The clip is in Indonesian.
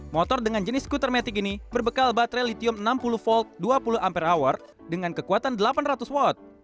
motor dengan jenis skuter matic ini berbekal baterai litium enam puluh volt dua puluh ampere hour dengan kekuatan delapan ratus watt